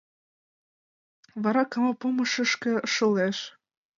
Вара кава помышышко шылеш.